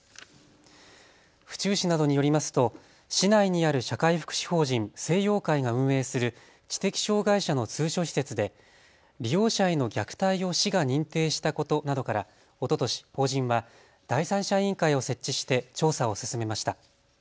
府中市などによりますと市内にある社会福祉法人清陽会が運営する知的障害者の通所施設で利用者への虐待を市が認定したことなどからおととし法人は第三者委員会を設置して調査を進めました。